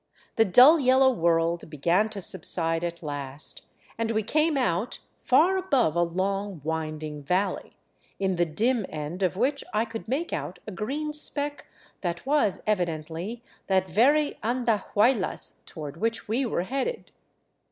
The dull yellow world began to subside at last, and we came out far above a long, winding valley, in the dim end of which I could make out a green speck that was evidently that very Andahuaylas toward which we were headed.